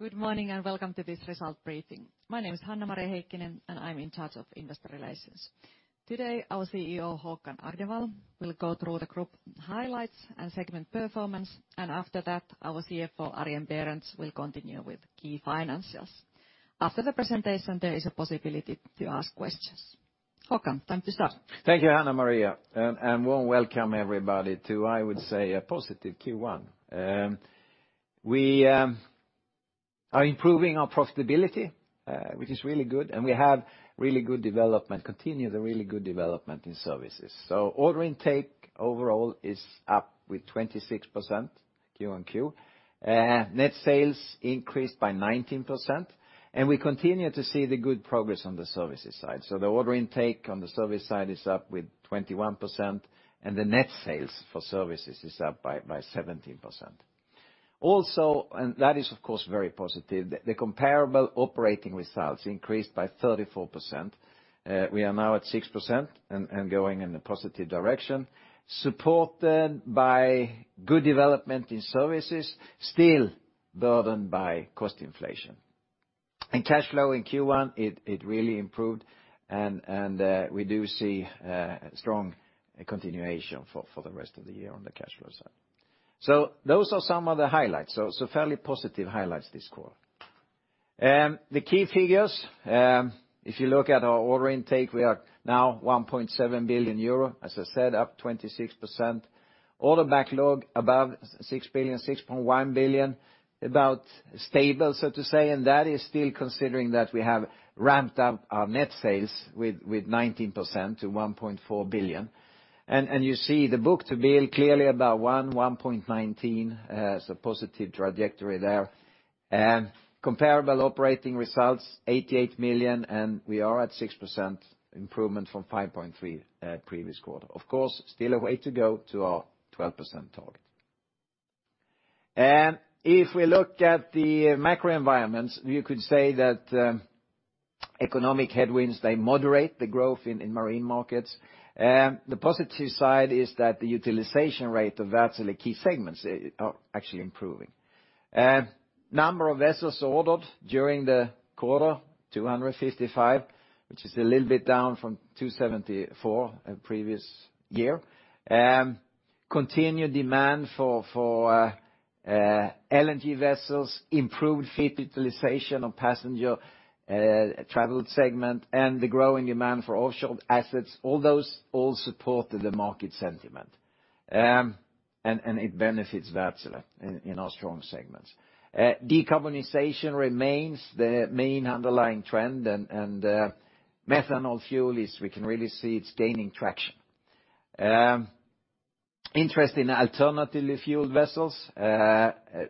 Good morning, and welcome to this result briefing. My name is Hanna-Maria Heikkinen, and I'm in charge of investor relations. Today, our CEO, Håkan Agnevall, will go through the group highlights and segment performance, and after that our CFO, Arjen Berends, will continue with key financials. After the presentation, there is a possibility to ask questions. Håkan, time to start. Thank you, Hanna-Maria, and warm welcome everybody to, I would say, a positive Q1. We are improving our profitability, which is really good, and we have really good development, continued and really good development in services. Order intake overall is up with 26% Q&Q. Net sales increased by 19%, and we continue to see the good progress on the services side. The order intake on the service side is up with 21%, and the net sales for services is up by 17%. That is of course, very positive, the comparable operating results increased by 34%. We are now at 6% and going in the positive direction, supported by good development in services, still burdened by cost inflation. Cash flow in Q1, it really improved and we do see a strong continuation for the rest of the year on the cash flow side. Those are some of the highlights. So, fairly positive highlights this quarter. The key figures, if you look at our order intake, we are now 1.7 billion euro, as I said, up 26%. Order backlog above 6 billion, 6.1 billion, about stable, so to say, and that is still considering that we have ramped up our net sales with 19% to 1.4 billion. You see the book-to-bill clearly about 1.19 as a positive trajectory there. Comparable operating results 88 million, and we are at 6% improvement from 5.3% previous quarter. Still a way to go to our 12% target. If we look at the macro environments, you could say that economic headwinds, they moderate the growth in marine markets. The positive side is that the utilization rate of Wärtsilä key segments are actually improving. Number of vessels ordered during the quarter, 255, which is a little bit down from 274 in previous year. Continued demand for LNG vessels, improved fleet utilization of passenger travel segment, and the growing demand for offshore assets, all those all supported the market sentiment. It benefits Wärtsilä in our strong segments. Decarbonization remains the main underlying trend, and methanol fuel is we can really see it's gaining traction. Interest in alternatively fueled vessels,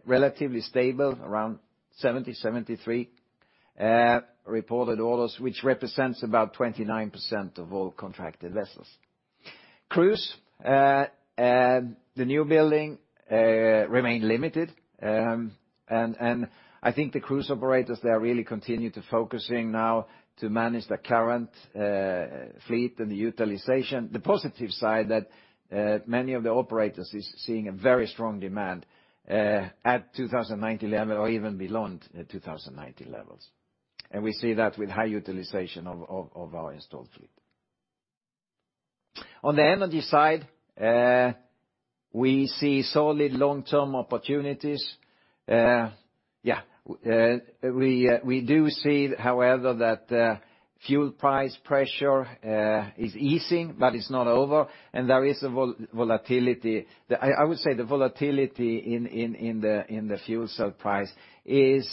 relatively stable, around 70-73 reported orders, which represents about 29% of all contracted vessels. Cruise, the new building, remained limited. I think the cruise operators, they are really continue to focusing now to manage the current fleet and the utilization. The positive side that many of the operators is seeing a very strong demand at 2019 level or even beyond the 2019 levels. We see that with high utilization of our installed fleet. On the energy side, we see solid long-term opportunities. We do see, however, that fuel price pressure is easing, but it's not over, and there is a volatility. I would say the volatility in the fuel cell price is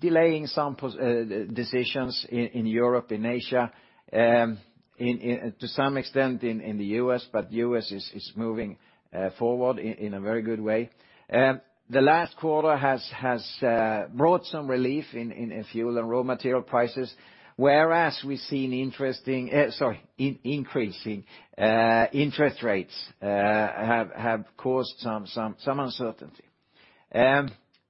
delaying some decisions in Europe, in Asia, to some extent in the U.S., but U.S. is moving forward in a very good way. The last quarter has brought some relief in fuel and raw material prices, whereas we've seen interesting, sorry, increasing interest rates have caused some uncertainty.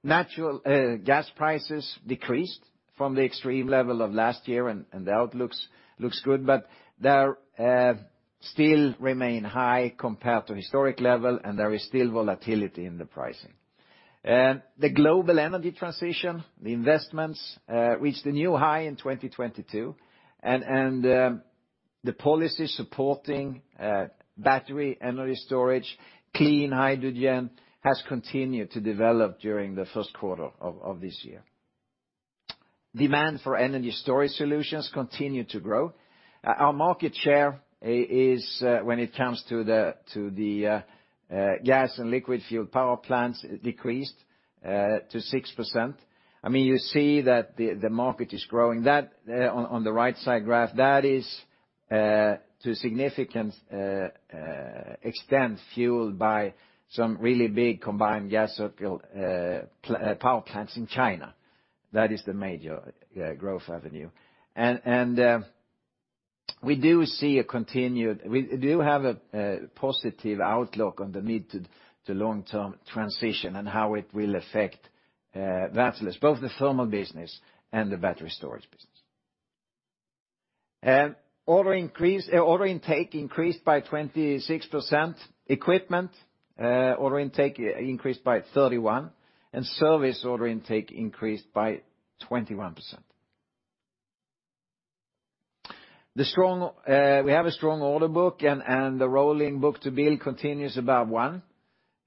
Natural gas prices decreased from the extreme level of last year and the outlooks looks good, but they're still remain high compared to historic level, and there is still volatility in the pricing. The global energy transition, the investments reached a new high in 2022, the policy supporting battery energy storage, clean hydrogen, has continued to develop during the first quarter of this year. Demand for energy storage solutions continue to grow. Our market share is when it comes to the gas and liquid fuel power plants decreased to 6%. I mean, you see that the market is growing. That on the right side graph, that is to a significant extent fueled by some really big combined-cycle gas power plants in China. That is the major growth avenue. We do have a positive outlook on the mid to long-term transition and how it will affect Wärtsilä's, both the thermal business and the battery storage business. Order intake increased by 26%. Equipment order intake increased by 31%, and service order intake increased by 21%. We have a strong order book, and the rolling book-to-bill continues above one.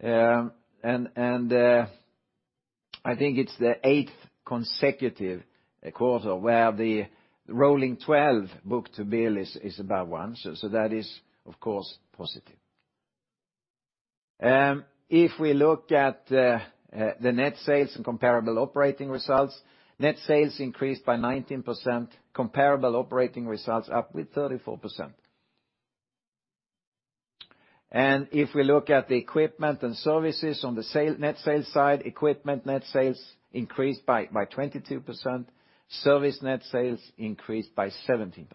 I think it's the eighth consecutive quarter where the rolling 12 book-to-bill is above one. That is, of course, positive. If we look at the net sales and comparable operating results, net sales increased by 19%, comparable operating results up with 34%. If we look at the equipment and services on the net sales side, equipment net sales increased by 22%, service net sales increased by 17%.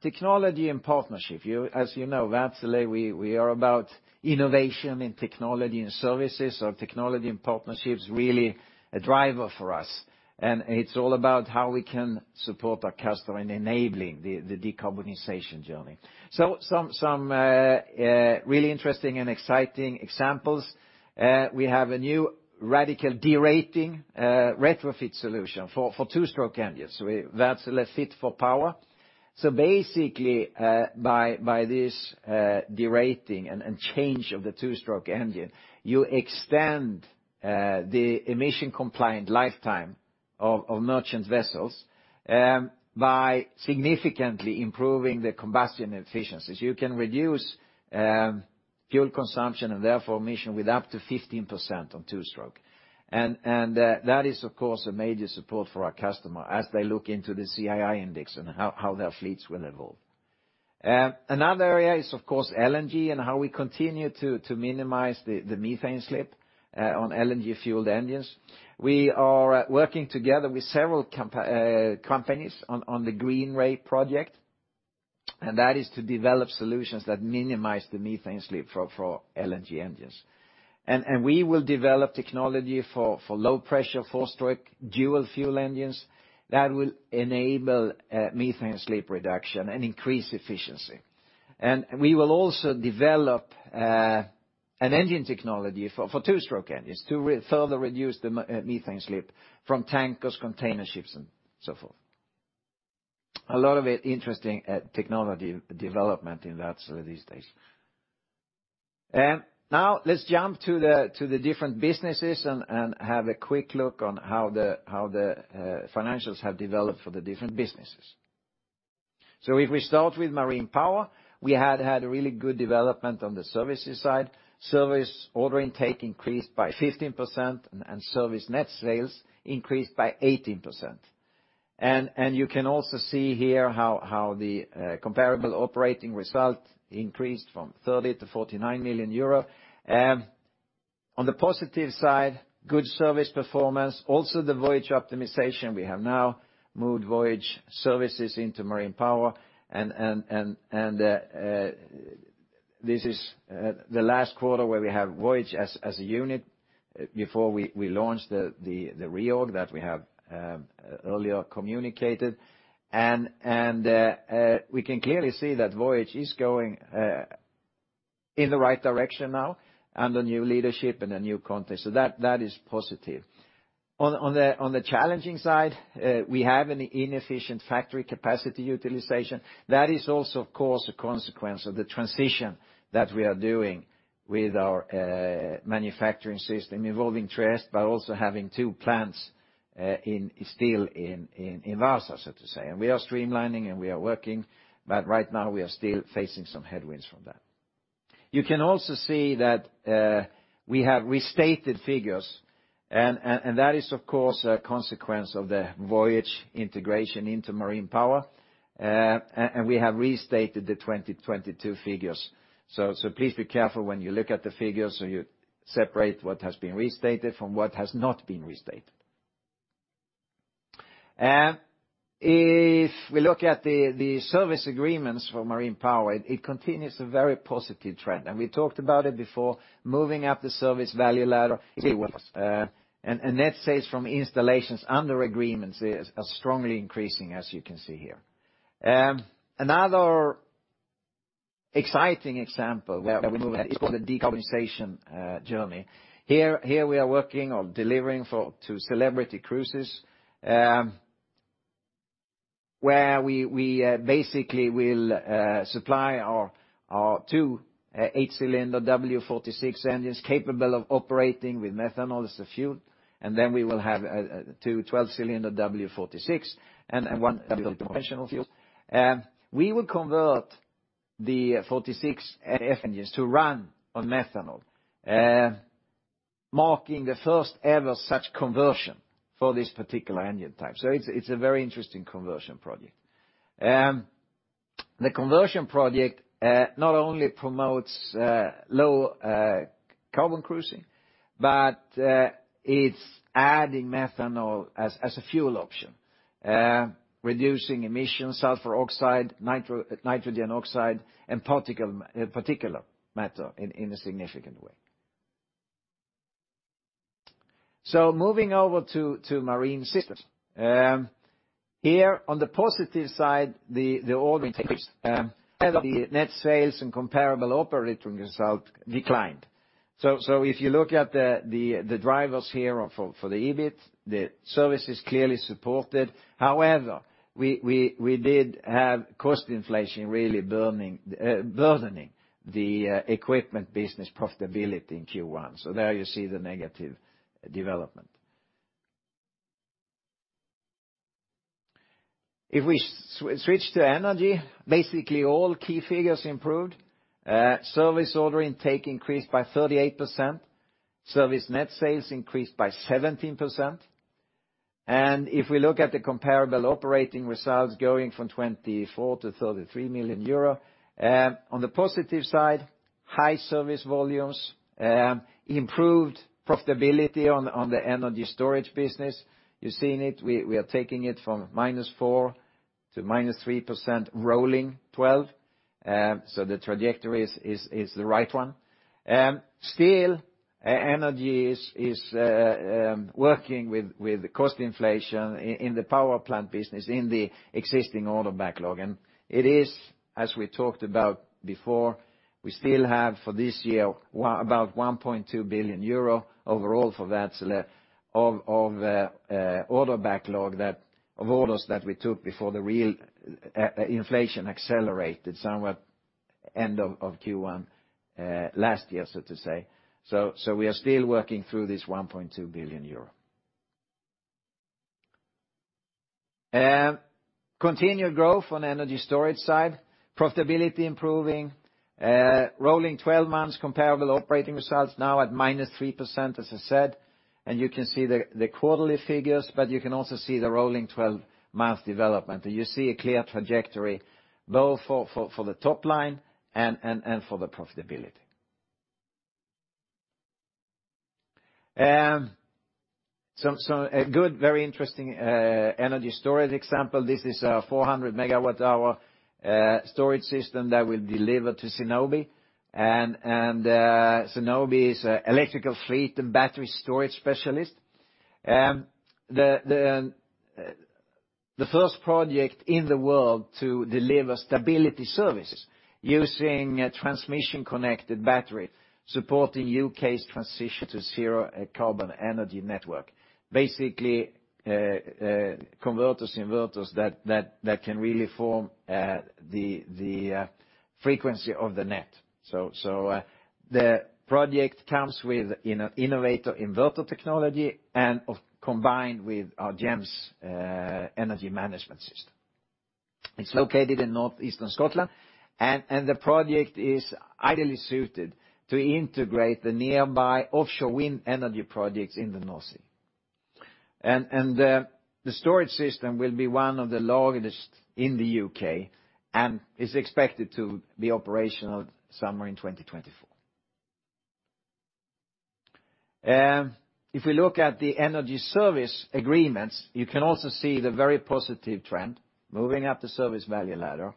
Technology and partnership. As you know, Wärtsilä, we are about innovation in technology and services, so technology and partnership's really a driver for us. It's all about how we can support our customer in enabling the decarbonization journey. Some really interesting and exciting examples. We have a new radical derating retrofit solution for two-stroke engines. Wärtsilä Fit4Power. Basically, by this derating and change of the two-stroke engine, you extend the emission compliant lifetime of merchant vessels by significantly improving the combustion efficiencies. You can reduce fuel consumption and therefore emission with up to 15% on two-stroke. That is, of course, a major support for our customer as they look into the CII index and how their fleets will evolve. Another area is of course LNG and how we continue to minimize the methane slip on LNG fueled engines. We are working together with several companies on the Green Ray project, and that is to develop solutions that minimize the methane slip for LNG engines. We will develop technology for low pressure four-stroke dual fuel engines that will enable methane slip reduction and increase efficiency. We will also develop an engine technology for two-stroke engines to further reduce the methane slip from tankers, container ships and so forth. A lot of it interesting technology development in Wärtsilä these days. Now let's jump to the different businesses and have a quick look on how the financials have developed for the different businesses. If we start with Marine Power, we had a really good development on the services side. Service order intake increased by 15% and service net sales increased by 18%. You can also see here how the comparable operating result increased from 30 to 49 million euro. On the positive side, good service performance, also the voyage optimization. We have now moved Voyage Services into Marine Power and this is the last quarter where we have Voyage as a unit before we launch the reorg that we have earlier communicated. We can clearly see that Voyage is going in the right direction now under new leadership in a new context. That is positive. On the challenging side, we have an inefficient factory capacity utilization. That is also of course a consequence of the transition that we are doing with our manufacturing system involving Trieste, but also having two plants still in Vaasa, so to say. We are streamlining and we are working, but right now we are still facing some headwinds from that. You can also see that we have restated figures and that is of course a consequence of the Voyage integration into Marine Power. And we have restated the 2022 figures. Please be careful when you look at the figures, so you separate what has been restated from what has not been restated. If we look at the service agreements for Marine Power, it continues a very positive trend. We talked about it before, moving up the service value ladder, and net sales from installations under agreements are strongly increasing, as you can see here. Another exciting example where we move the decarbonization journey. Here we are working on delivering to Celebrity Cruises, where we basically will supply our 2, 8-cylinder W 46 engines capable of operating with methanol as a fuel. We will have 2, 12-cylinder W 46 and one Conventional fuels. We will convert the 46F engines to run on methanol, marking the first ever such conversion for this particular engine type. It's a very interesting conversion project. The conversion project not only promotes low carbon cruising, but it's adding methanol as a fuel option, reducing emissions, sulfur oxide, nitrogen oxide, and particular matter in a significant way. Moving over to Marine Systems. Here on the positive side, the order intake, the net sales and comparable operating result declined. If you look at the drivers here are for the EBIT, the service is clearly supported. However, we did have cost inflation really burdening the equipment business profitability in Q1. There you see the negative development. If we switch to energy, basically all key figures improved. Service order intake increased by 38%. Service net sales increased by 17%. If we look at the comparable operating results going from 24 million to 33 million euro. On the positive side, high service volumes, improved profitability on the energy storage business. You're seeing it, we are taking it from -4% to -3% rolling twelve. The trajectory is the right one. Still energy is working with cost inflation in the power plant business in the existing order backlog. It is, as we talked about before, we still have for this year about 1.2 billion euro overall for Wärtsilä of order backlog that. Of orders that we took before the real inflation accelerated somewhat end of Q1 last year, so to say. We are still working through this 1.2 billion euro. Continued growth on energy storage side, profitability improving, rolling 12 months comparable operating results now at -3%, as I said. You can see the quarterly figures, but you can also see the rolling 12 months development. You see a clear trajectory both for the top line and for the profitability. A good, very interesting energy storage example. This is a 400 megawatt hour storage system that we delivered to Zenobē. Zenobē is a electrical fleet and battery storage specialist. The first project in the world to deliver stability services using a transmission-connected battery supporting U.K.'s transition to zero carbon energy network. Basically, converters, inverters that can really form the frequency of the net. The project comes with innovator inverter technology combined with our GEMS energy management system. It's located in northeastern Scotland, the project is ideally suited to integrate the nearby offshore wind energy projects in the North Sea. The storage system will be one of the largest in the U.K. and is expected to be operational somewhere in 2024. If we look at the energy service agreements, you can also see the very positive trend moving up the service value ladder.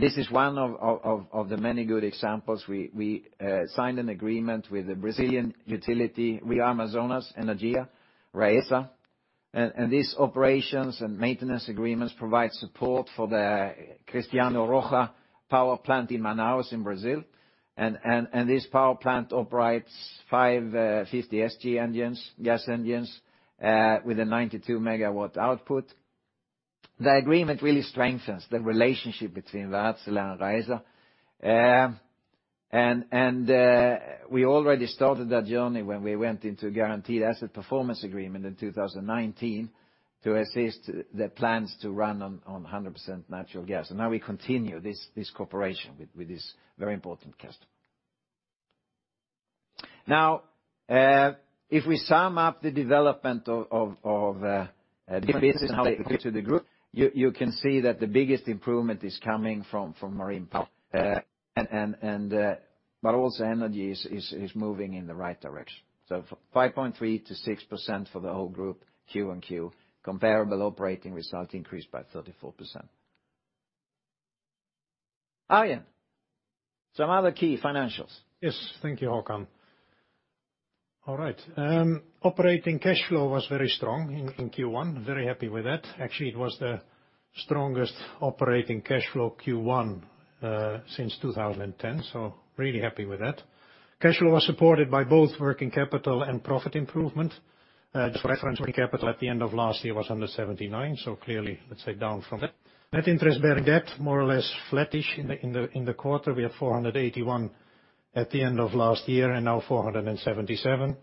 This is one of the many good examples. We signed an agreement with the Brazilian utility Rio Amazonas Energia, RAESA. These operations and maintenance agreements provide support for the Cristiano Rocha power plant in Manaus in Brazil. This power plant operates 5 50SG engines, gas engines, with a 92 megawatt output. The agreement really strengthens the relationship between Wärtsilä and RAESA. We already started that journey when we went into guaranteed asset performance agreement in 2019 to assist the plans to run on 100% natural gas. We continue this cooperation with this very important customer. If we sum up the development of different businesses and how they contribute to the group, you can see that the biggest improvement is coming from Marine Power. But also energy is moving in the right direction. 5.3%-6% for the whole group Q on Q comparable operating result increased by 34%. Arjen, some other key financials. Yes. Thank you, Håkan. All right. Operating cash flow was very strong in Q1. Very happy with that. Actually, it was the strongest operating cash flow Q1 since 2010, so really happy with that. Cash flow was supported by both working capital and profit improvement. Just for reference, working capital at the end of last year was under 79 million, so clearly, let's say, down from that. Net interest-bearing debt, more or less flattish in the quarter. We had 481 million at the end of last year, and now 477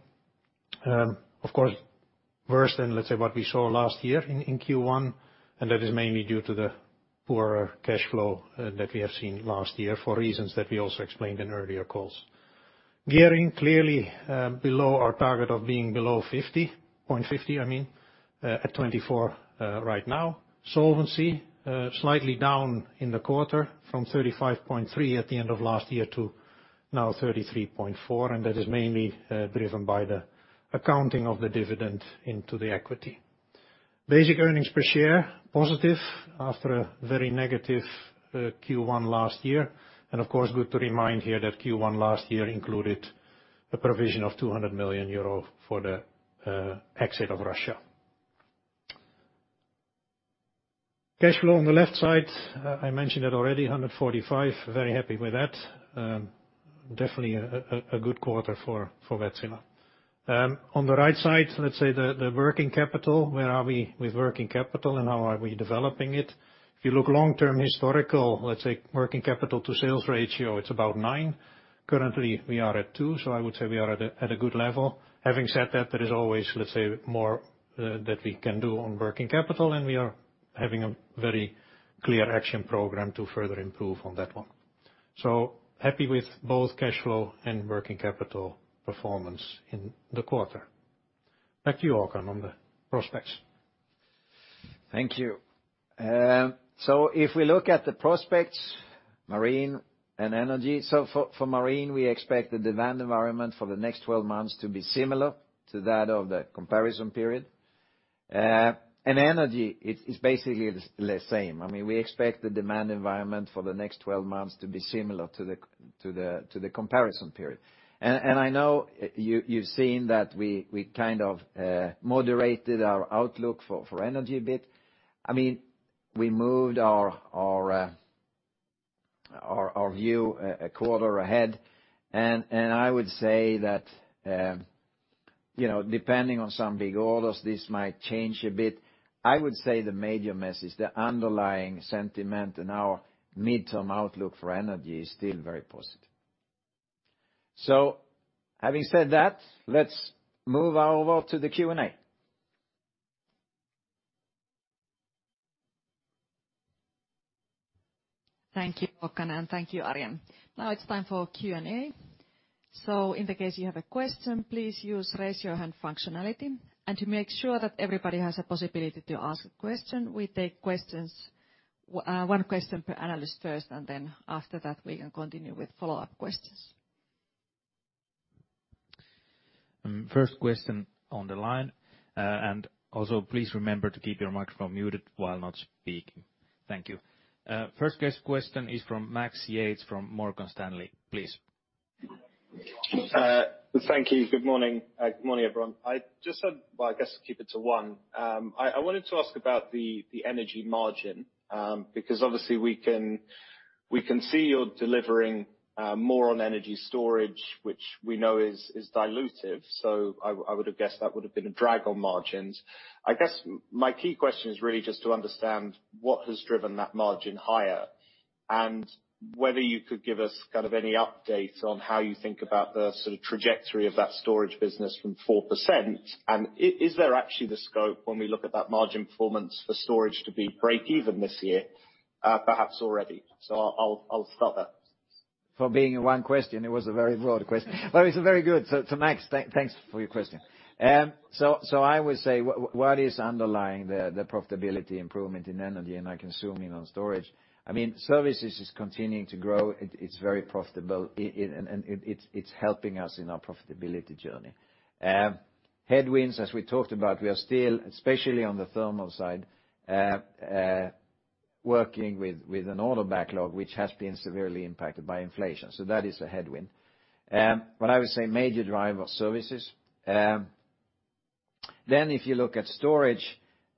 million. Of course, worse than, let's say, what we saw last year in Q1, and that is mainly due to the poorer cash flow that we have seen last year for reasons that we also explained in earlier calls. Gearing, clearly, below our target of being below 50 .50%, I mean, at 24% right now. Solvency, slightly down in the quarter from 35.3% at the end of last year to now 33.4%, and that is mainly driven by the accounting of the dividend into the equity. Basic earnings per share positive after a very negative Q1 last year. Of course, good to remind here that Q1 last year included a provision of 200 million euro for the exit of Russia. Cash flow on the left side, I mentioned it already, 145. Very happy with that. Definitely a good quarter for Wärtsilä. On the right side, let's say the working capital, where are we with working capital and how are we developing it? If you look long-term historical, let's say working capital to sales ratio, it's about 9. Currently, we are at two. I would say we are at a good level. Having said that, there is always, let's say, more that we can do on working capital, and we are having a very clear action program to further improve on that one. Happy with both cash flow and working capital performance in the quarter. Back to you, Håkan, on the prospects. Thank you. If we look at the prospects, Marine and Energy. For Marine, we expect the demand environment for the next 12 months to be similar to that of the comparison period. Energy is basically the same. I mean, we expect the demand environment for the next 12 months to be similar to the comparison period. I know you've seen that we kind of moderated our outlook for Energy a bit. I mean, we moved our view a quarter ahead. I would say that, you know, depending on some big orders, this might change a bit. I would say the major message, the underlying sentiment in our midterm outlook for Energy is still very positive. Having said that, let's move over to the Q&A. Thank you, Håkan, and thank you, Arjen. Now it's time for Q&A. In the case you have a question, please use raise your hand functionality. To make sure that everybody has a possibility to ask a question, we take questions, one question per analyst first, and then after that we can continue with follow-up questions. First question on the line. Also please remember to keep your microphone muted while not speaking. Thank you. First question is from Max Yates from Morgan Stanley. Please. Thank you. Good morning. Good morning, everyone. Well, I guess I'll keep it to one. I wanted to ask about the energy margin, because obviously we can see you're delivering more on energy storage, which we know is dilutive. I would have guessed that would have been a drag on margins. I guess my key question is really just to understand what has driven that margin higher, and whether you could give us kind of any updates on how you think about the sort of trajectory of that storage business from 4%. Is there actually the scope, when we look at that margin performance for storage, to be breakeven this year, perhaps already? I'll stop there. For being a one question, it was a very broad question. It's very good. Max, thanks for your question. I would say what is underlying the profitability improvement in energy, and I can zoom in on storage, I mean, services is continuing to grow. It's very profitable and it's helping us in our profitability journey. Headwinds, as we talked about, we are still, especially on the thermal side, working with an order backlog, which has been severely impacted by inflation. That is a headwind. I would say major driver, services. If you look at storage,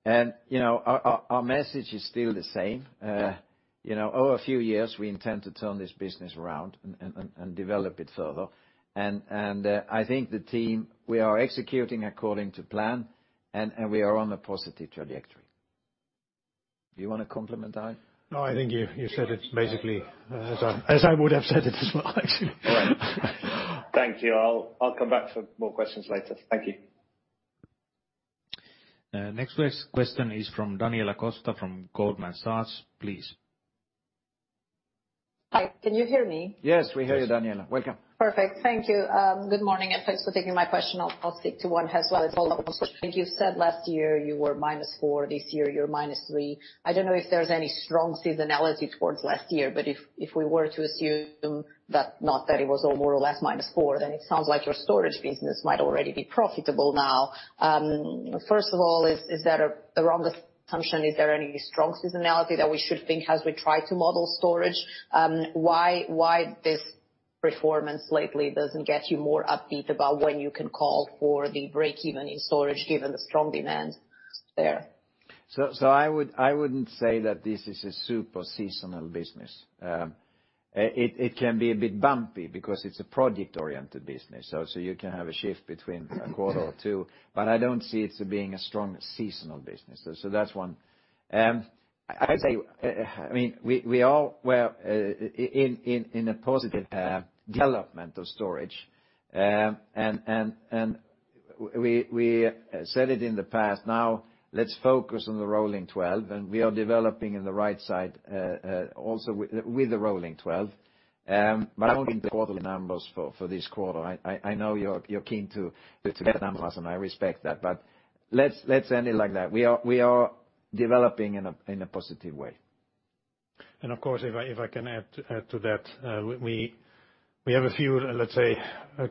you know, our message is still the same. You know, over a few years, we intend to turn this business around and develop it further. I think the team, we are executing according to plan and we are on a positive trajectory. Do you wanna complement, Arjen? No, I think you said it basically as I would have said it as well, actually. Thank you. I'll come back for more questions later. Thank you. Next question is from Daniela Costa from Goldman Sachs. Please. Hi, can you hear me? Yes, we hear you, Daniela. Welcome. Perfect. Thank you. Good morning, thanks for taking my question. I'll stick to one as well. It's all on storage. You said last year you were -4. This year you're -3. I don't know if there's any strong seasonality towards last year, but if we were to assume that, not that it was all more or less -4, then it sounds like your storage business might already be profitable now. First of all, is that a wrong assumption? Is there any strong seasonality that we should think as we try to model storage? Why this performance lately doesn't get you more upbeat about when you can call for the break even in storage given the strong demand there? I wouldn't say that this is a super seasonal business. It can be a bit bumpy because it's a project-oriented business. You can have a shift between a quarter or 2, but I don't see it being a strong seasonal business. That's 1. I'd say, I mean, we are, well, in a positive development of storage. We said it in the past. Now let's focus on the rolling 12, we are developing in the right side, also with the rolling 12. I won't give quarterly numbers for this quarter. I know you're keen to get numbers and I respect that, but let's end it like that. We are developing in a positive way. Of course, if I can add to that. We have a few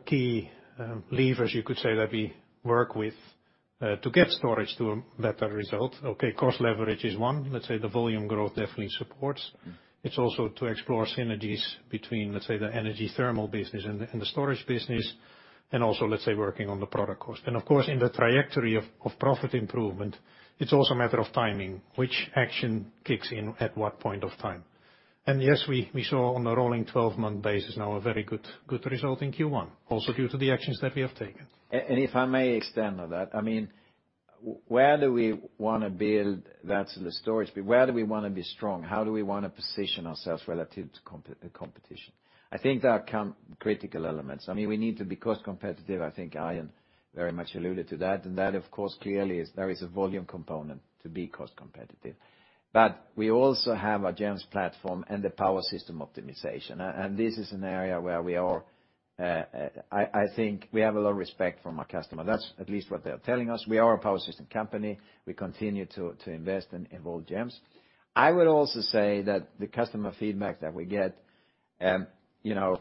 key levers that we work with to get storage to a better result. Okay, cost leverage is one. The volume growth definitely supports. It's also to explore synergies between the energy thermal business and the storage business, and also working on the product cost. Of course, in the trajectory of profit improvement, it's also a matter of timing, which action kicks in at what point of time. Yes, we saw on a rolling 12-month basis now a very good result in Q1, also due to the actions that we have taken. If I may extend on that. I mean, where do we wanna build? That's the storage. Where do we wanna be strong? How do we wanna position ourselves relative to competition? I think there are critical elements. I mean, we need to be cost competitive. I think Arjen very much alluded to that. That, of course, clearly is there is a volume component to be cost competitive. We also have a GEMS platform and the power system optimization. This is an area where we are I think we have a lot of respect from our customer. That's at least what they are telling us. We are a power system company. We continue to invest in whole GEMS. I would also say that the customer feedback that we get, you know,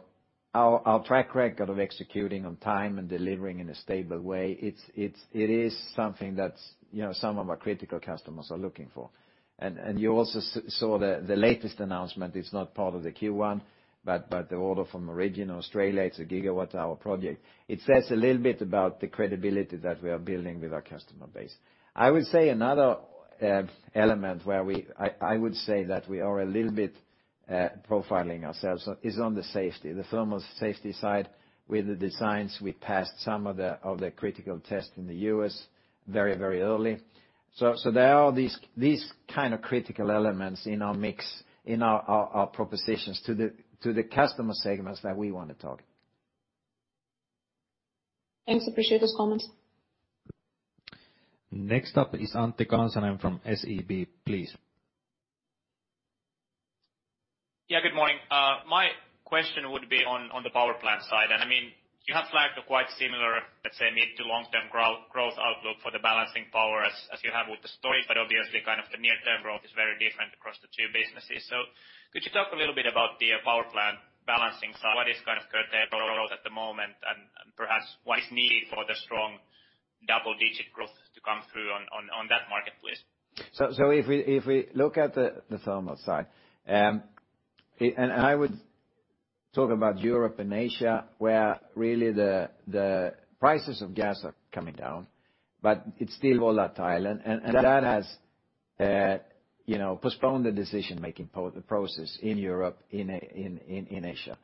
our track record of executing on time and delivering in a stable way, it is something that's, you know, some of our critical customers are looking for. You also saw the latest announcement. It's not part of the Q1, but the order from Origin Australia, it's a gigawatt hour project. It says a little bit about the credibility that we are building with our customer base. I would say another element where I would say that we are a little bit profiling ourselves is on the safety, the thermal safety side with the designs. We passed some of the critical tests in the U.S. very early. There are these kind of critical elements in our mix, in our propositions to the customer segments that we wanna talk. Thanks. Appreciate those comments. Next up is Antti Kansanen from SEB, please. Yeah, good morning. My question would be on the power plant side. I mean, you have flagged a quite similar, let's say, mid to long-term growth outlook for the balancing power as you have with the storage. Obviously kind of the near-term growth is very different across the two businesses. Could you talk a little bit about the power plant balancing side? What is kind of current at the moment, and perhaps what is needed for the strong double-digit growth to come through on that market, please? If we, if we look at the thermal side, and I would talk about Europe and Asia, where really the prices of gas are coming down, but it's still volatile. That has, you know, postponed the decision-making the process in Europe, in Asia.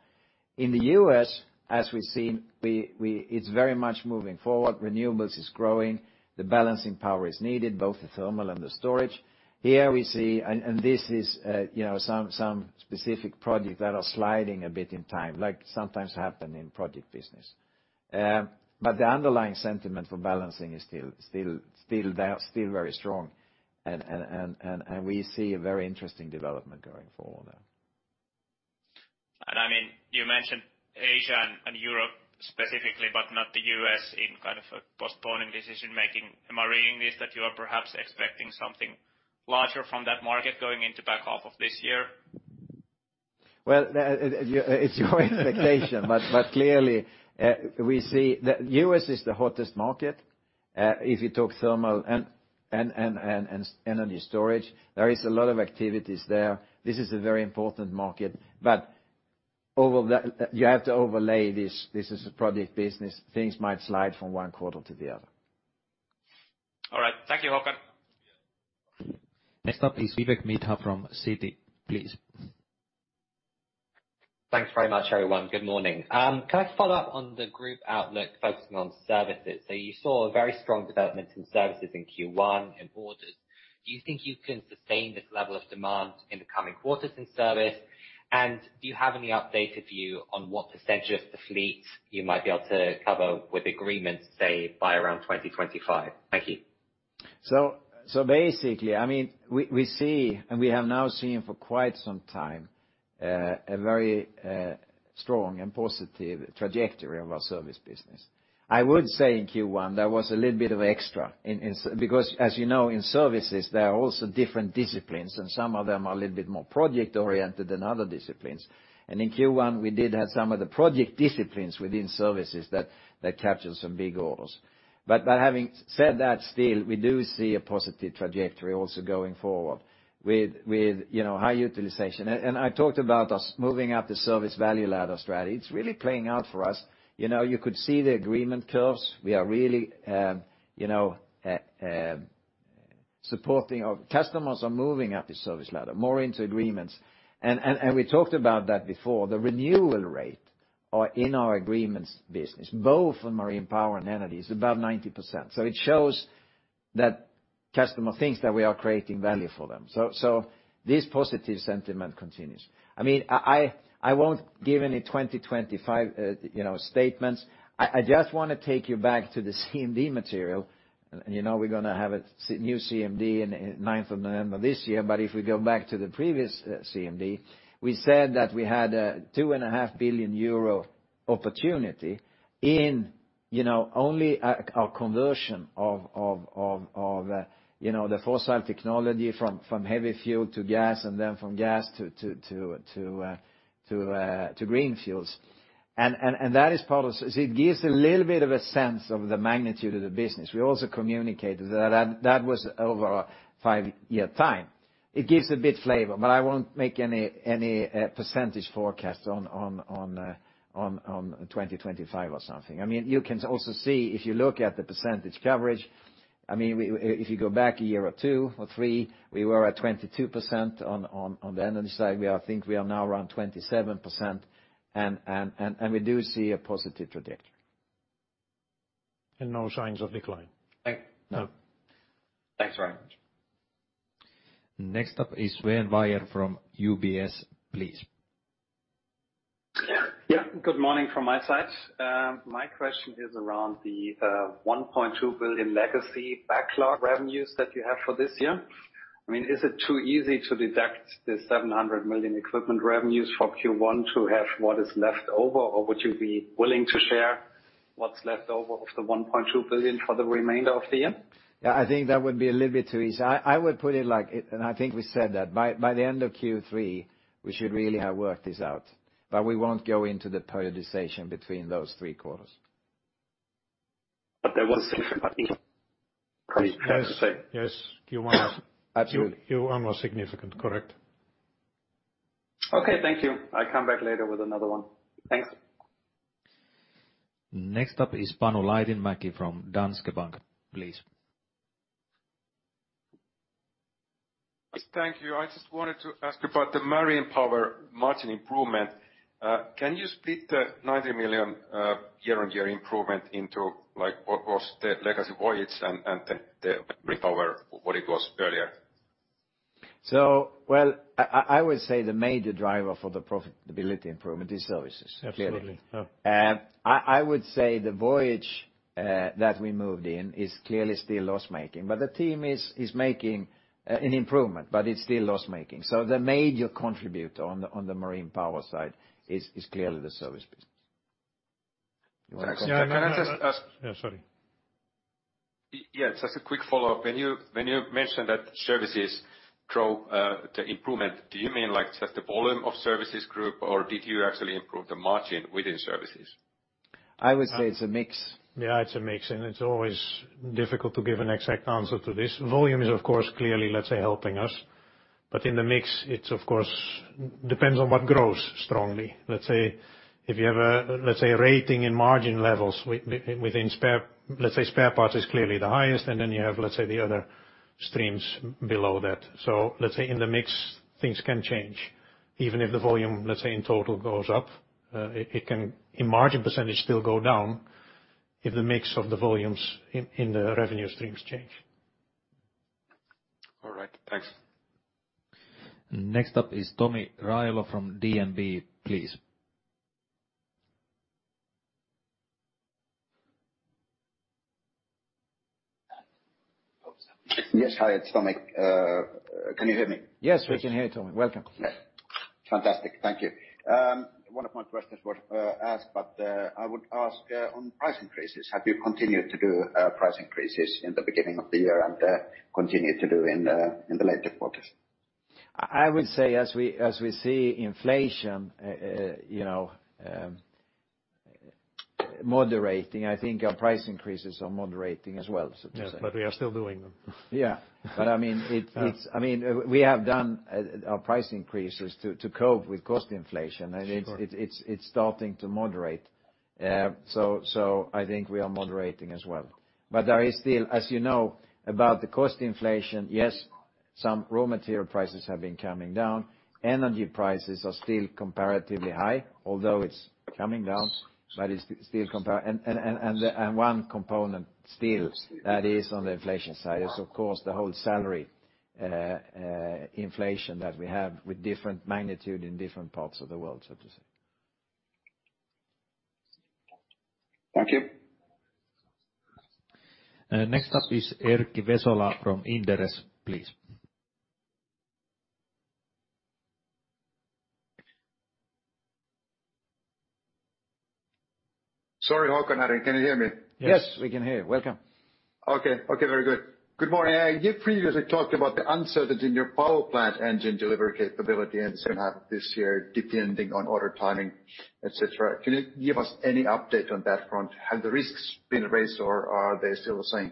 In the U.S., as we've seen, it's very much moving forward. Renewables is growing. The balancing power is needed, both the thermal and the storage. Here we see. This is, you know, some specific project that are sliding a bit in time, like sometimes happen in project business. But the underlying sentiment for balancing is still down, still very strong. We see a very interesting development going forward there. I mean, you mentioned Asia and Europe specifically, but not the U.S. in kind of a postponing decision-making. Am I reading this, that you are perhaps expecting something larger from that market going into back half of this year? Well, it's your expectation. Clearly, we see the U.S. is the hottest market, if you talk thermal and energy storage. There is a lot of activities there. This is a very important market. You have to overlay this. This is a project business. Things might slide from one quarter to the other. All right. Thank you, Håkan. Next up is Vivek Midha from Citi, please. Thanks very much, everyone. Good morning. Can I follow up on the group outlook focusing on services? You saw a very strong development in services in Q1 in orders. Do you think you can sustain this level of demand in the coming quarters in service? Do you have any updated view on what % of the fleet you might be able to cover with agreements, say, by around 2025? Thank you. Basically, I mean, we see, and we have now seen for quite some time, a very strong and positive trajectory of our service business. I would say in Q1, there was a little bit of extra in Because as you know, in services, there are also different disciplines, and some of them are a little bit more project-oriented than other disciplines. In Q1, we did have some of the project disciplines within services that captured some big orders. By having said that, still, we do see a positive trajectory also going forward with, you know, high utilization. I talked about us moving up the service value ladder strategy. It's really playing out for us. You know, you could see the agreement curves. We are really supporting our customers are moving up the service ladder, more into agreements. We talked about that before. The renewal rate or in our agreements business, both in Marine Power and energy, is above 90%. It shows that customer thinks that we are creating value for them. This positive sentiment continues. I mean, I won't give any 2025 statements. I just wanna take you back to the CMD material. You know, we're gonna have a new CMD in 9th of November this year. If we go back to the previous CMD, we said that we had a 2.5 billion euro opportunity You know, only a conversion of, you know, the fossil technology from heavy fuel to gas and then from gas to green fuels. That is part of it gives a little bit of a sense of the magnitude of the business. We also communicated that was over a five-year time. It gives a bit flavor, but I won't make any percentage forecast on 2025 or something. I mean, you can also see if you look at the percentage coverage, I mean, if you go back a year or two or three, we were at 22% on the energy side. We are, I think we are now around 27% and we do see a positive trajectory. No signs of decline. Like, no. Thanks very much. Next up is Sven Weier from UBS, please. Good morning from my side. My question is around the 1.2 billion legacy backlog revenues that you have for this year. I mean, is it too easy to deduct the 700 million equipment revenues for Q1 to have what is left over? Or would you be willing to share what's left over of the 1.2 billion for the remainder of the year? Yeah, I think that would be a little bit too easy. I would put it like. I think we said that by the end of Q3, we should really have worked this out. We won't go into the periodization between those three quarters. There was significant Yes. Yes. Q1. Absolutely. Q1 was significant, correct? Okay. Thank you. I come back later with another one. Thanks. Next up is Panu Laitinmäki from Danske Bank, please. Yes, thank you. I just wanted to ask about the Marine Power margin improvement. Can you split the 90 million year-on-year improvement into, like, what was the legacy Voyage and the Marine Power, what it was earlier? Well, I would say the major driver for the profitability improvement is services. Absolutely. Clearly. I would say the Voyage that we moved in is clearly still loss-making. The team is making an improvement, but it's still loss-making. The major contributor on the, on the Marine Power side is clearly the service business. You wanna comment? Can I just ask. Yeah. Yeah, sorry. Yeah, just a quick follow-up. When you mentioned that services drove, the improvement, do you mean, like, just the volume of services group or did you actually improve the margin within services? I would say it's a mix. Yeah, it's a mix, and it's always difficult to give an exact answer to this. Volume is of course, clearly, let's say, helping us. In the mix it's of course, depends on what grows strongly. Let's say if you have a, let's say, a rating in margin levels within spare, let's say spare parts is clearly the highest, then you have, let's say, the other streams below that. Let's say in the mix things can change even if the volume, let's say in total goes up, it can in margin percentage still go down if the mix of the volumes in the revenue streams change. All right. Thanks. Next up is Tomi Railo from DNB, please. Yes. Hi, it's Tomi. Can you hear me? Yes, we can hear you, Tomi. Welcome. Yes. Fantastic. Thank you. One of my questions was asked but I would ask on price increases. Have you continued to do price increases in the beginning of the year and continue to do in the later quarters? I would say as we see inflation, you know, moderating, I think our price increases are moderating as well, so to say. Yes, we are still doing them. Yeah. I mean, it's. Uh. I mean, we have done our price increases to cope with cost inflation. Sure. It's starting to moderate. So I think we are moderating as well. There is still, as you know about the cost inflation, yes, some raw material prices have been coming down. Energy prices are still comparatively high, although it's coming down, but it's still. One component still that is on the inflation side is of course the whole salary inflation that we have with different magnitude in different parts of the world, so to say. Thank you. Next up is Erkki Vesola from Inderes, please. Sorry, Hakonen. Can you hear me? Yes. Yes, we can hear you. Welcome. Okay. Okay, very good. Good morning. You previously talked about the uncertainty in your power plant engine delivery capability in the second half of this year depending on order timing, et cetera. Can you give us any update on that front? Have the risks been raised or are they still the same?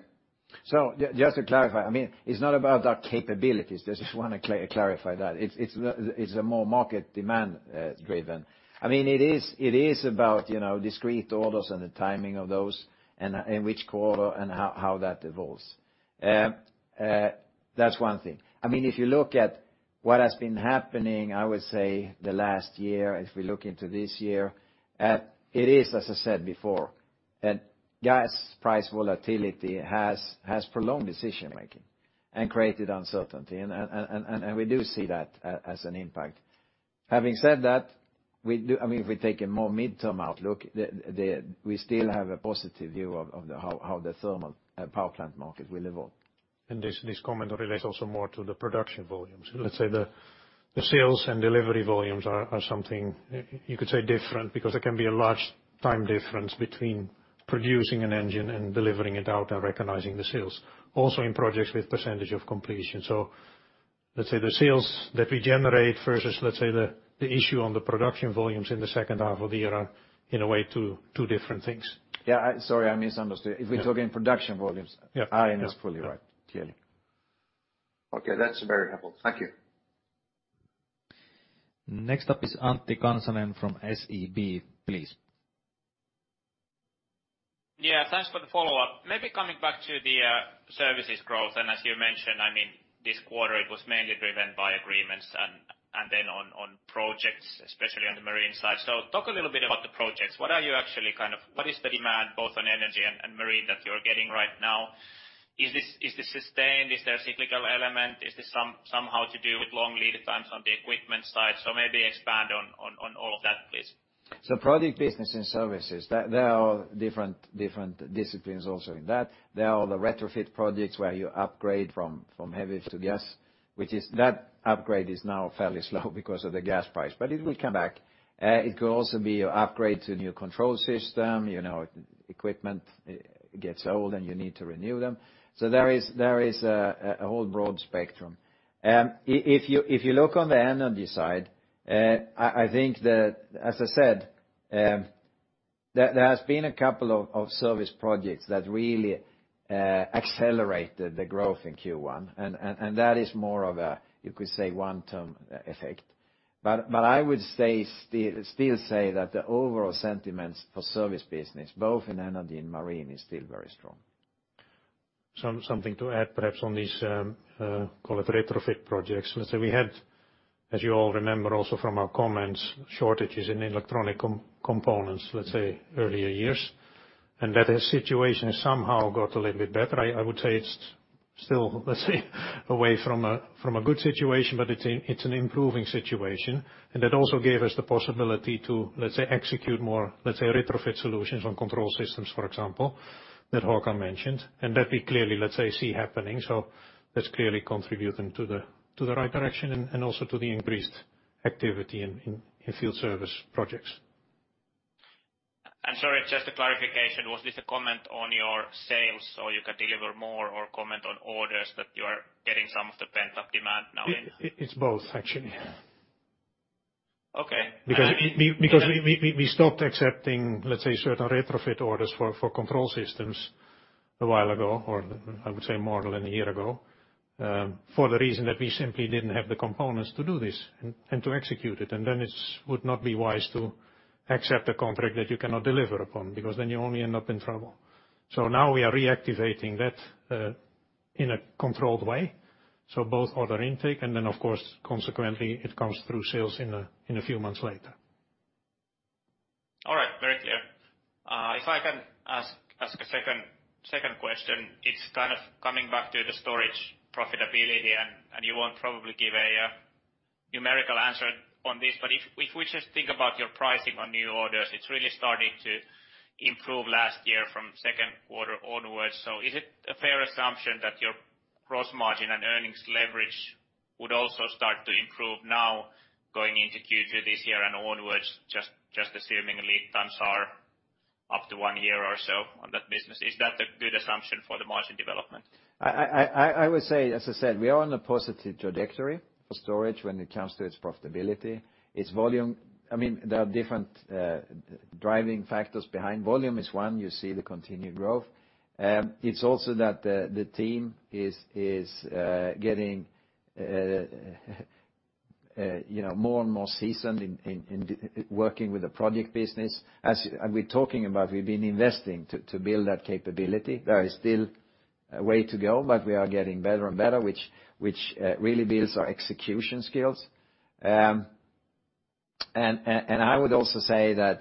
Just to clarify, I mean, it's not about our capabilities. Just wanna clarify that. It's a more market demand driven. I mean, it is about, you know, discrete orders and the timing of those and in which quarter and how that evolves. That's one thing. I mean, if you look at what has been happening, I would say the last year as we look into this year, it is, as I said before, that gas price volatility has prolonged decision-making and created uncertainty. We do see that as an impact. Having said that, we do. I mean, if we take a more midterm outlook, we still have a positive view of how the thermal power plant market will evolve. This comment relates also more to the production volumes. Let's say the sales and delivery volumes are something, you could say different, because there can be a large time difference between producing an engine and delivering it out and recognizing the sales, also in projects with percentage of completion. Let's say the sales that we generate versus, let's say the issue on the production volumes in the second half of the year are in a way two different things. Yeah. Sorry, I misunderstood. Yeah. If we're talking production volumes. Yeah. Arjen is fully right. Clearly. Okay. That's very helpful. Thank you. Next up is Antti Kansanen from SEB, please. Thanks for the follow-up. Maybe coming back to the services growth, and as you mentioned, I mean, this quarter it was mainly driven by agreements and then on projects, especially on the marine side. Talk a little bit about the projects. What is the demand both on energy and marine that you're getting right now? Is this, is this sustained? Is there a cyclical element? Is this somehow to do with long lead times on the equipment side? Maybe expand on all of that, please. Project business and services, there are different disciplines also in that. There are the retrofit projects where you upgrade from heavy to gas, which is. That upgrade is now fairly slow because of the gas price, but it will come back. It could also be your upgrade to new control system, you know, equipment gets old and you need to renew them. There is a whole broad spectrum. If you look on the energy side, I think that, as I said, there has been a couple of service projects that really accelerated the growth in Q1, and that is more of a, you could say, one-term effect. I would say still say that the overall sentiments for service business, both in energy and marine, is still very strong. Something to add perhaps on these, call it retrofit projects. Let's say we had, as you all remember also from our comments, shortages in electronic components, let's say earlier years, that situation somehow got a little bit better. I would say it's still, let's say, away from a, from a good situation, but it's an improving situation. That also gave us the possibility to, let's say, execute more, let's say, retrofit solutions on control systems, for example, that Håkan mentioned, and that we clearly, let's say, see happening. That's clearly contributing to the right direction and also to the increased activity in field service projects. Sorry, just a clarification. Was this a comment on your sales, or you can deliver more or comment on orders that you are getting some of the pent-up demand now in? It's both actually. Okay. We stopped accepting, let's say, certain retrofit orders for control systems a while ago, or I would say more than a year ago, for the reason that we simply didn't have the components to do this and to execute it, and then it's would not be wise to accept a contract that you cannot deliver upon because then you only end up in trouble. Now we are reactivating that in a controlled way, so both order intake and then of course, consequently, it comes through sales in a few months later. All right. Very clear. If I can ask a second question, it's kind of coming back to the storage profitability and you won't probably give a numerical answer on this, but if we just think about your pricing on new orders, it's really starting to improve last year from second quarter onwards. Is it a fair assumption that your gross margin and earnings leverage would also start to improve now going into Q2 this year and onwards, just assuming lead times are up to one year or so on that business? Is that a good assumption for the margin development? I would say, as I said, we are on a positive trajectory for storage when it comes to its profitability. Its volume. I mean, there are different driving factors behind. Volume is one. You see the continued growth. It's also that the team is getting, you know, more and more seasoned in working with the project business. As we're talking about, we've been investing to build that capability. There is still a way to go, but we are getting better and better, which really builds our execution skills. I would also say that,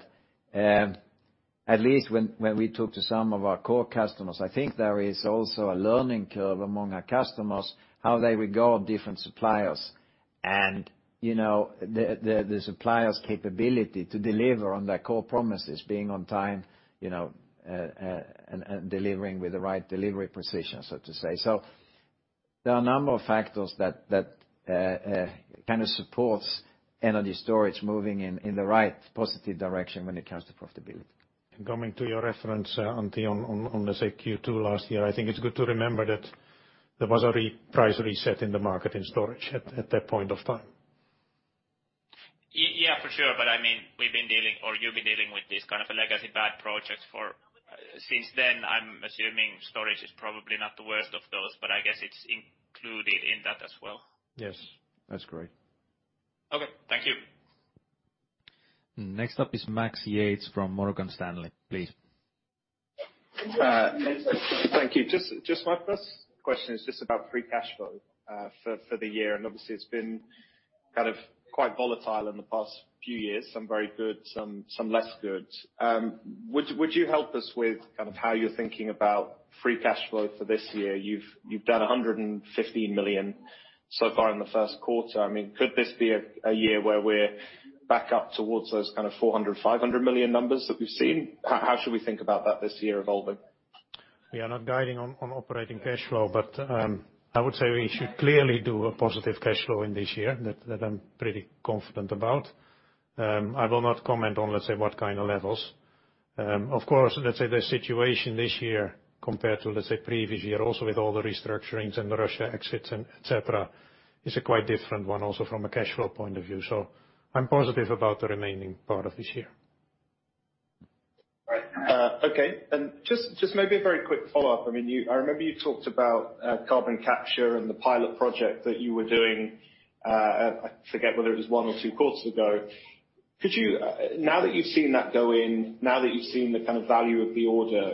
at least when we talk to some of our core customers, I think there is also a learning curve among our customers, how they regard different suppliers and, you know, the supplier's capability to deliver on their core promises, being on time, you know, delivering with the right delivery precision, so to say. There are a number of factors that kind of supports energy storage moving in the right positive direction when it comes to profitability. Coming to your reference, Antti, on, let's say Q2 last year, I think it's good to remember that there was a price reset in the market in storage at that point of time. Yeah, for sure. I mean, we've been dealing, or you've been dealing with this kind of a legacy bad projects for. Since then, I'm assuming storage is probably not the worst of those, but I guess it's included in that as well. Yes, that's correct. Okay. Thank you. Next up is Max Yates from Morgan Stanley, please. Thank you. Just my first question is just about free cash flow for the year. Obviously it's been kind of quite volatile in the past few years, some very good, some less good. Would you help us with kind of how you're thinking about free cash flow for this year? You've done 115 million so far in the first quarter. I mean, could this be a year where we're back up towards those kind of 400 million, 500 million numbers that we've seen? How should we think about that this year evolving? We are not guiding on operating cashflow, but I would say we should clearly do a positive cashflow in this year, that I'm pretty confident about. I will not comment on, let's say, what kind of levels. Of course, let's say the situation this year compared to, let's say, previous year also with all the restructurings and the Russia exits and et cetera, is a quite different one also from a cashflow point of view. I'm positive about the remaining part of this year. Right. Okay. Just maybe a very quick follow-up. I mean, you I remember you talked about carbon capture and the pilot project that you were doing, I forget whether it was one or two quarters ago. Now that you've seen that go in, now that you've seen the kind of value of the order,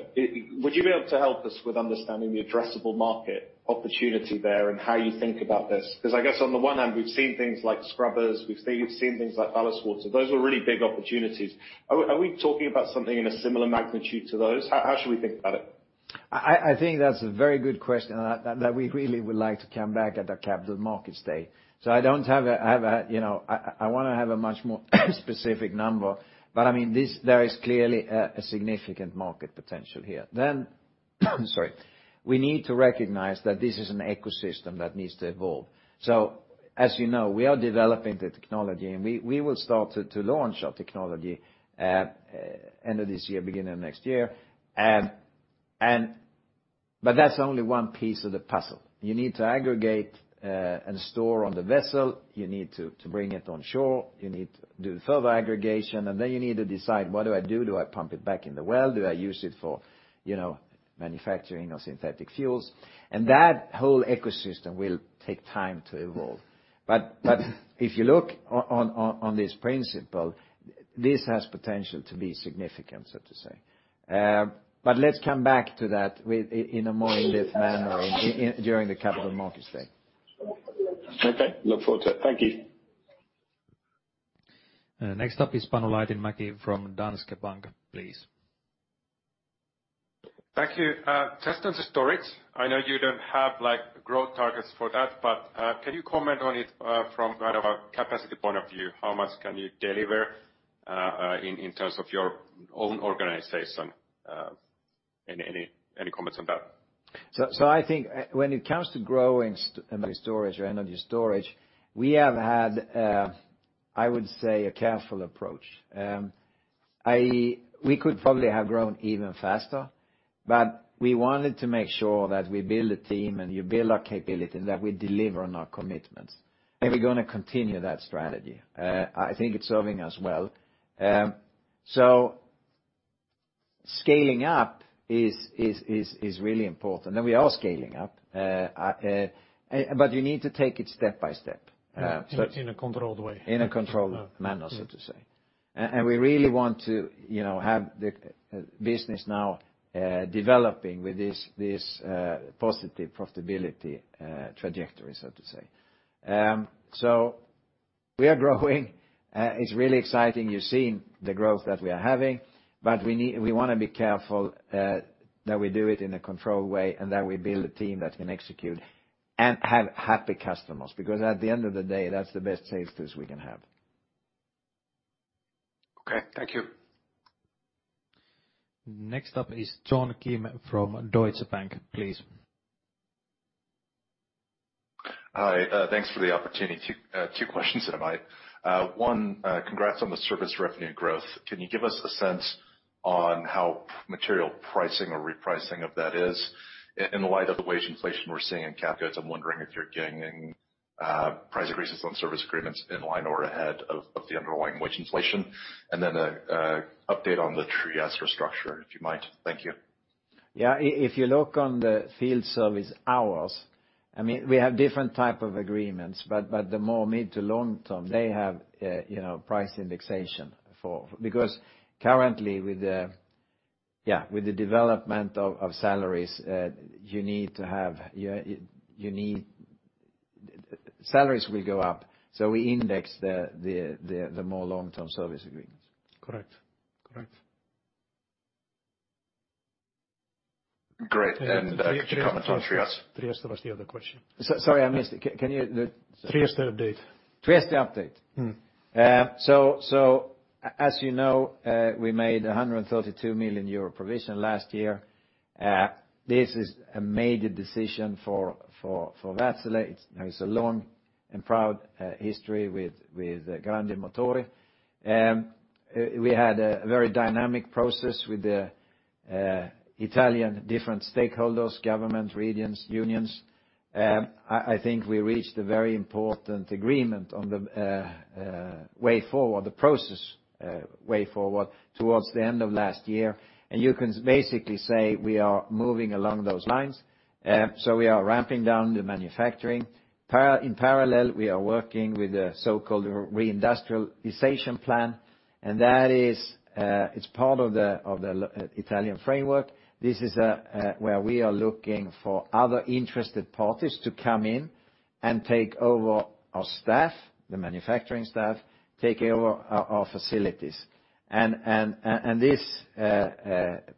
would you be able to help us with understanding the addressable market opportunity there and how you think about this? I guess on the one hand, we've seen things like scrubbers, we've seen things like ballast water. Those were really big opportunities. Are we talking about something in a similar magnitude to those? How should we think about it? I think that's a very good question. That we really would like to come back at the capital markets day. I don't have a, you know. I wanna have a much more specific number, but, I mean, there is clearly a significant market potential here. Sorry. We need to recognize that this is an ecosystem that needs to evolve. As you know, we are developing the technology, and we will start to launch our technology at end of this year, beginning of next year. That's only one piece of the puzzle. You need to aggregate and store on the vessel. You need to bring it on shore. You need to do further aggregation, and then you need to decide what do I do? Do I pump it back in the well? Do I use it for, you know, manufacturing of synthetic fuels? That whole ecosystem will take time to evolve. If you look on this principle, this has potential to be significant, so to say. Let's come back to that with in a more in-depth manner during the Capital Markets Day. Okay. Look forward to it. Thank you. Next up is Panu Laitinmäki from Danske Bank, please. Thank you. Just on the storage. I know you don't have, like, growth targets for that, but, can you comment on it, from kind of a capacity point of view? How much can you deliver, in terms of your own organization? Any comments on that? I think when it comes to growing energy storage or energy storage, we have had, I would say a careful approach. We could probably have grown even faster, but we wanted to make sure that we build a team and we build our capability, that we deliver on our commitments. We're gonna continue that strategy. I think it's serving us well. Scaling up is really important. We are scaling up. You need to take it step by step. In a controlled way. In a controlled manner. Yeah So to say. We really want to, you know, have the business now developing with this positive profitability trajectory, so to say. We are growing. It's really exciting. You've seen the growth that we are having, but we wanna be careful that we do it in a controlled way and that we build a team that can execute and have happy customers, because at the end of the day, that's the best sales force we can have. Okay. Thank you. Next up is John Kim from Deutsche Bank, please. Hi. Thanks for the opportunity. Two questions, if I might. One, congrats on the service revenue growth. Can you give us a sense on how material pricing or repricing of that is? In light of the wage inflation we're seeing in CapEx, I'm wondering if you're gaining price increases on service agreements in line or ahead of the underlying wage inflation. Then a update on the Trieste restructure, if you might. Thank you. If you look on the field service hours, I mean, we have different type of agreements, but the more mid to long-term, they have, you know, price indexation for. Currently with the development of salaries, you need. Salaries will go up, so we index the more long-term service agreements. Correct. Correct. Great. Could you comment on Trias? Trias was the other question. Sorry, I missed. Can you- Trias update. Trias update? Mm-hmm. As you know, we made a 132 million euro provision last year. This is a major decision for Wärtsilä. It's, you know, it's a long and proud history with Grandi Motori. We had a very dynamic process with the Italian different stakeholders, government, regions, unions. I think we reached a very important agreement on the way forward, the process way forward towards the end of last year. You can basically say we are moving along those lines. We are ramping down the manufacturing. In parallel, we are working with the so-called reindustrialization plan, and that is, it's part of the Italian framework. This is where we are looking for other interested parties to come in and take over our staff, the manufacturing staff, take over our facilities. This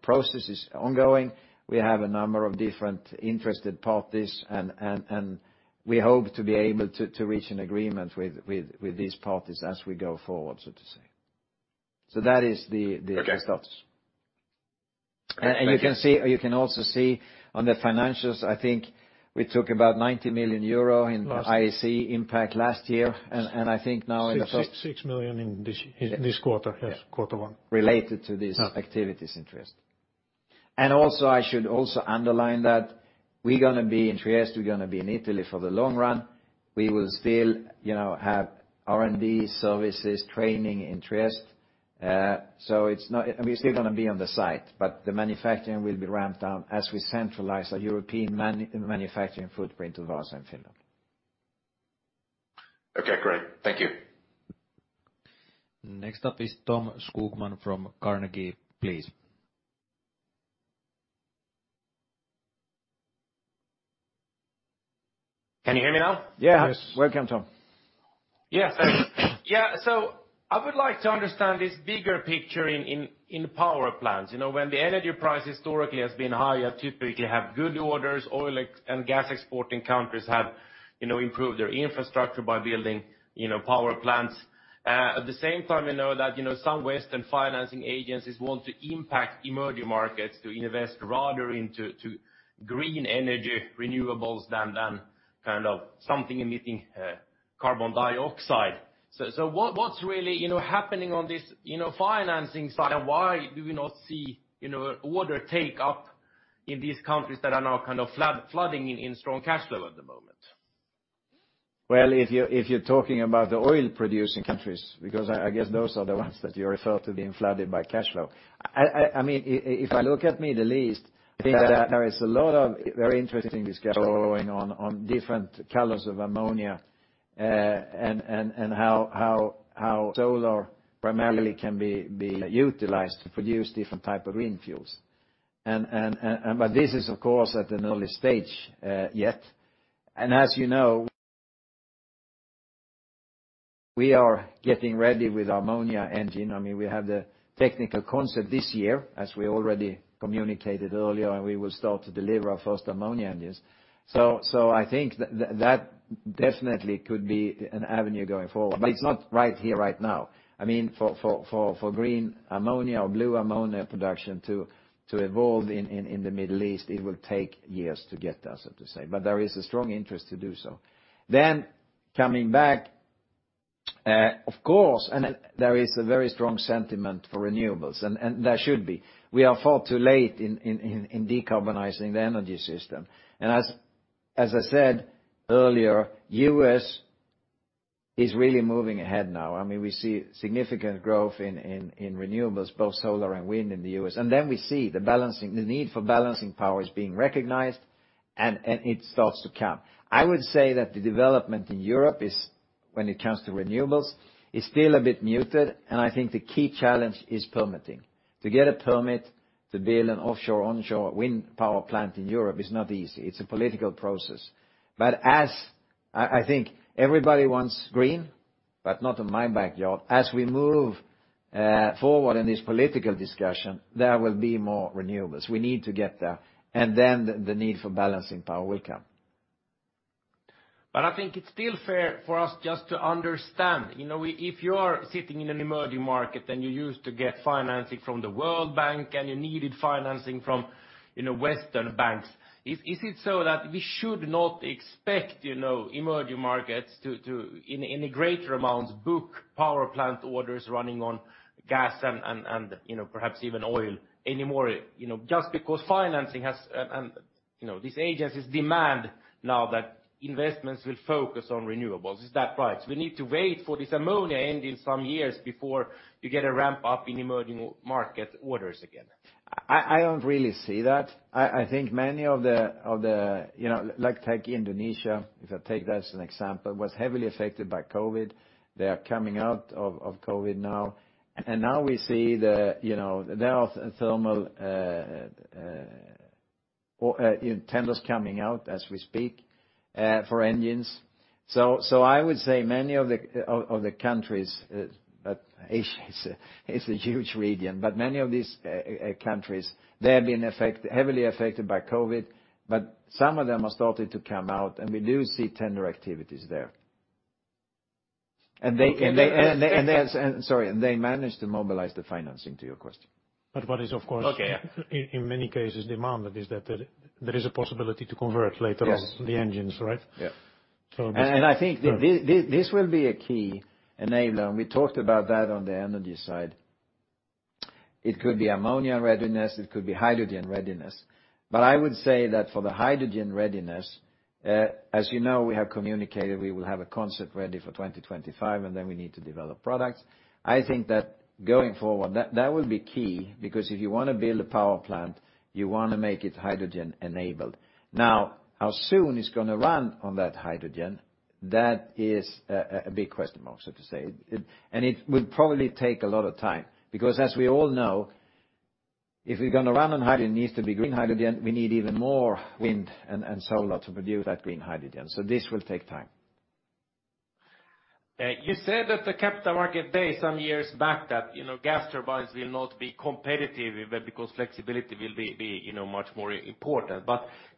process is ongoing. We have a number of different interested parties and we hope to be able to reach an agreement with these parties as we go forward, so to say. That is the results. Okay. You can also see on the financials, I think we took about 90 million euro in- Last IAC impact last year. I think now in the. 6 million. Yes In this quarter, yes, quarter one. Related to this activities interest. I should also underline that we're gonna be in Trieste, we're gonna be in Italy for the long run. We will still, you know, have R&D services, training in Trieste. We're still gonna be on the site, but the manufacturing will be ramped down as we centralize our European manufacturing footprint to Vaasa in Finland. Okay, great. Thank you. Next up is Tom Skogman from Carnegie, please. Can you hear me now? Yes. Yes. Welcome, Tom. Yes, thanks. I would like to understand this bigger picture in power plants. You know, when the energy price historically has been higher, typically have good orders, oil and gas exporting countries have, you know, improved their infrastructure by building, you know, power plants. At the same time, we know that, you know, some Western financing agencies want to impact emerging markets to invest rather into green energy renewables than kind of something emitting carbon dioxide. What's really, you know, happening on this, you know, financing side? Why do we not see, you know, order take up in these countries that are now kind of flooding in strong cash flow at the moment? Well, if you're talking about the oil-producing countries, because I guess those are the ones that you refer to being flooded by cash flow. I mean, if I look at Middle East, I think that there is a lot of very interesting discussion going on different colors of ammonia. And how solar primarily can be utilized to produce different type of green fuels. But this is of course at an early stage, yet. As you know, we are getting ready with ammonia engine. I mean, we have the technical concept this year, as we already communicated earlier, and we will start to deliver our first ammonia engines. I think that definitely could be an avenue going forward, but it's not right here, right now. I mean, for green ammonia or blue ammonia production to evolve in the Middle East, it will take years to get there, so to say. There is a strong interest to do so. Coming back, of course, and there is a very strong sentiment for renewables, and there should be. We are far too late in decarbonizing the energy system. As I said earlier, US is really moving ahead now. I mean, we see significant growth in renewables, both solar and wind in the US. Then we see the need for balancing power is being recognized, and it starts to come. I would say that the development in Europe is, when it comes to renewables, is still a bit muted, and I think the key challenge is permitting. To get a permit to build an offshore-onshore wind power plant in Europe is not easy. It's a political process. As I think everybody wants green, but not in my backyard. As we move forward in this political discussion, there will be more renewables. We need to get there, then the need for balancing power will come. I think it's still fair for us just to understand, you know, if you are sitting in an emerging market and you used to get financing from the World Bank and you needed financing from, you know, Western banks, is it so that we should not expect, you know, emerging markets to in greater amounts, book power plant orders running on gas and, you know, perhaps even oil anymore? You know, just because financing has, and, you know, these agencies demand now that investments will focus on renewables. Is that right? We need to wait for this ammonia engine some years before you get a ramp-up in emerging market orders again. I don't really see that. I think many of the, you know, like take Indonesia, if I take that as an example, was heavily affected by COVID. They are coming out of COVID now. Now we see the, you know, there are thermal tenders coming out as we speak for engines. I would say many of the countries, Asia is a huge region, but many of these countries, they have been heavily affected by COVID, but some of them have started to come out, and we do see tender activities there. Okay. They Sorry, and they managed to mobilize the financing to your question. What is of course. Okay, yeah. In many cases demanded is that there is a possibility to convert later on. Yes The engines, right? Yeah. So. I think this will be a key enabler, and we talked about that on the energy side. It could be ammonia readiness, it could be hydrogen readiness. I would say that for the hydrogen readiness, as you know, we have communicated we will have a concept ready for 2025, and then we need to develop products. I think that going forward, that will be key, because if you wanna build a power plant, you wanna make it hydrogen-enabled. Now, how soon it's gonna run on that hydrogen, that is a big question mark, so to say. It will probably take a lot of time. As we all know, if we're gonna run on hydrogen, it needs to be green hydrogen, we need even more wind and solar to produce that green hydrogen. This will take time. You said at the Capital Market Day some years back that, you know, gas turbines will not be competitive even because flexibility will be, you know, much more important.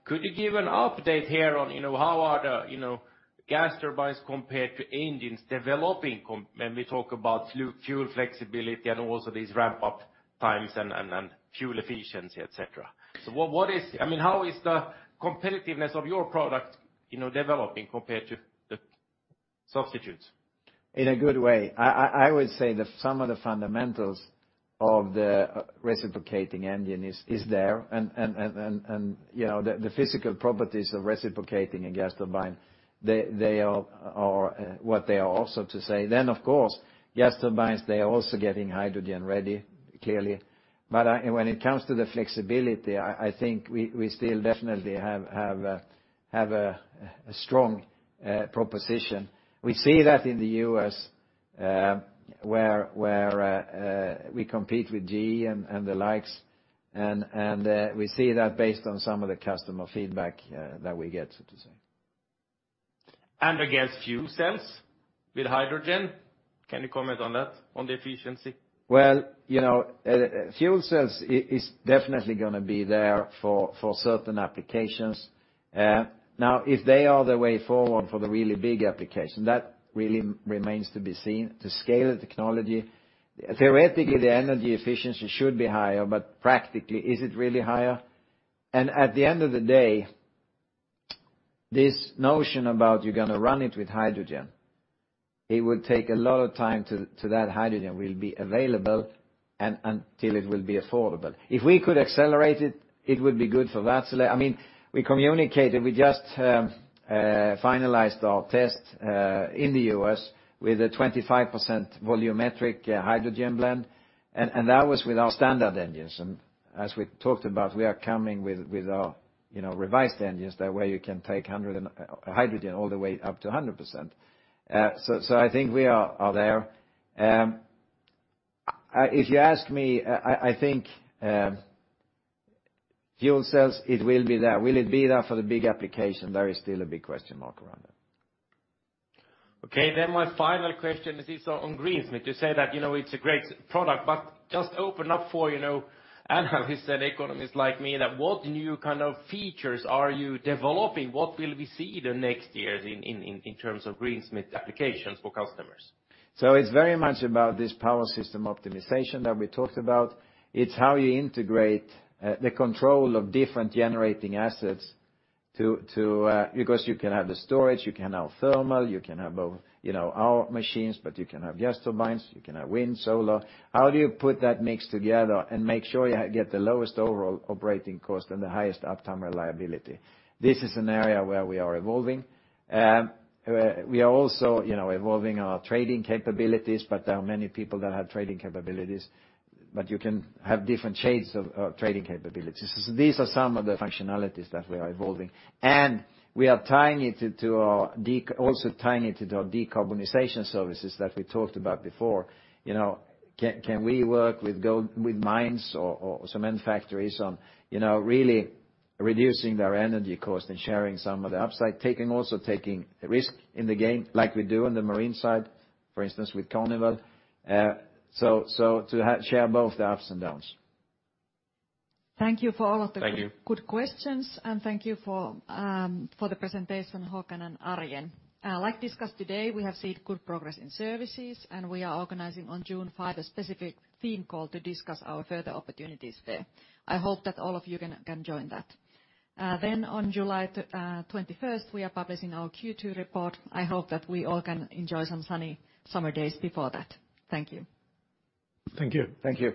Could you give an update here on, you know, how are the, you know, gas turbines compared to engines developing when we talk about fuel flexibility and also these ramp-up times and fuel efficiency, et cetera? What is... I mean, how is the competitiveness of your product, you know, developing compared to the substitutes? In a good way. I would say that some of the fundamentals of the reciprocating engine is there. you know, the physical properties of reciprocating a gas turbine, they are what they are also to say. Of course, gas turbines, they are also getting hydrogen-ready, clearly. When it comes to the flexibility, I think we still definitely have a strong proposition. We see that in the U.S., where we compete with GE and the likes, and we see that based on some of the customer feedback that we get, so to say. Against fuel cells with hydrogen, can you comment on that, on the efficiency? Well, you know, fuel cells is definitely gonna be there for certain applications. Now if they are the way forward for the really big application, that really remains to be seen. To scale the technology, theoretically the energy efficiency should be higher, but practically, is it really higher? At the end of the day, this notion about you're gonna run it with hydrogen, it would take a lot of time till that hydrogen will be available and until it will be affordable. If we could accelerate it would be good for Wärtsilä. I mean, we communicated, we just finalized our test in the U.S. with a 25% volumetric hydrogen blend, and that was with our standard engines. As we talked about, we are coming with our, you know, revised engines, that way you can take 100 hydrogen all the way up to 100%. So, I think we are there. If you ask me, I think fuel cells, it will be there. Will it be there for the big application? There is still a big question mark around that. Okay. My final question is on Greensmith. You say that, you know, it's a great product, but just open up for, you know, analysts and economists like me that what new kind of features are you developing? What will we see the next years in terms of Greensmith applications for customers? It's very much about this power system optimization that we talked about. It's how you integrate the control of different generating assets. Because you can have the storage, you can have thermal, you can have both, you know, our machines, but you can have gas turbines, you can have wind, solar. How do you put that mix together and make sure you get the lowest overall operating cost and the highest uptime reliability? This is an area where we are evolving. We are also, you know, evolving our trading capabilities, but there are many people that have trading capabilities, but you can have different shades of trading capabilities. These are some of the functionalities that we are evolving, and we are tying it to our decarbonization services that we talked about before. You know, can we work with mines or cement factories on, you know, really reducing their energy cost and sharing some of the upside, also taking risk in the game like we do on the marine side, for instance, with Carnival. To share both the ups and downs. Thank you for all of. Thank you. Good questions, thank you for for the presentation, Håkan and Arjen. Discussed today, we have seen good progress in services, we are organizing on June 5 a specific theme call to discuss our further opportunities there. I hope that all of you can join that. On July 21st, we are publishing our Q2 report. I hope that we all can enjoy some sunny summer days before that. Thank you. Thank you. Thank you.